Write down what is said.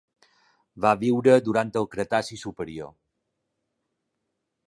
Va viure durant el Cretaci superior.